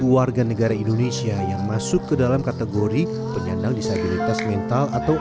sepuluh warga negara indonesia yang masuk ke dalam kategori penyandang disabilitas mental atau